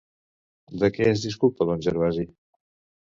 De què es disculpa don Gervasi?